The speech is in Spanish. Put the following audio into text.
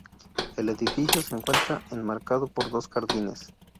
El edificio se encuentra enmarcado por dos jardines.